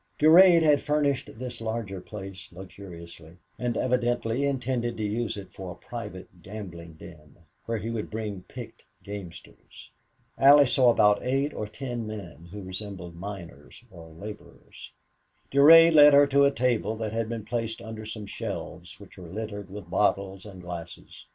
Durade had furnished this larger place luxuriously, and evidently intended to use it for a private gambling den, where he would bring picked gamesters. Allie saw about eight or ten men who resembled miners or laborers. Durade led her to a table that had been placed under some shelves which were littered with bottles and glasses.